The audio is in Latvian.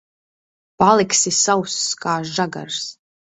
Paliksi sauss kā žagars.